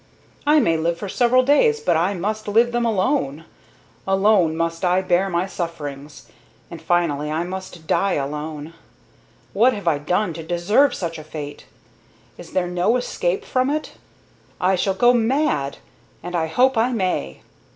I may live for several days, but I must live them alone alone must I bear my sufferings, and finally I must die alone. What have I done to deserve such a fate? Is there no escape from it? I shall go mad, and I hope I may.